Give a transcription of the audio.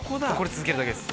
続けるだけです。